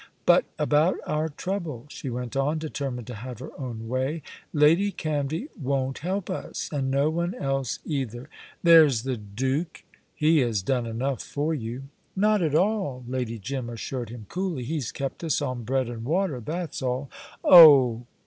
But about our trouble," she went on, determined to have her own way. "Lady Canvey won't help us, and no one else either. There's the Duke " "He has done enough for you." "Not at all," Lady Jim assured him coolly. "He's kept us on bread and water that's all." "Oh!"